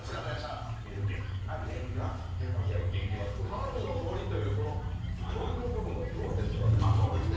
タンの森という、森の部分がすごいですね。